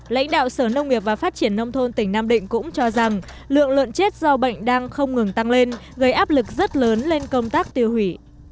lãnh đạo sở nông nghiệp và phát triển nông thôn tỉnh nam định cũng cho rằng lượng lợn chết do bệnh đang không ngừng tăng lên gây áp lực rất lớn lên công tác tiêu hủy